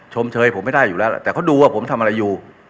ชมเชยผมไม่ได้อยู่แล้วแต่เขาดูว่าผมทำอะไรอยู่